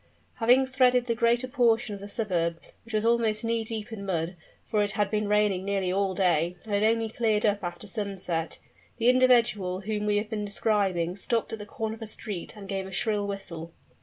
Having threaded the greater portion of the suburb, which was almost knee deep in mud for it had been raining nearly all day, and had only cleared up after sunset the individual whom we have been describing stopped at the corner of a street, and gave a shrill whistle.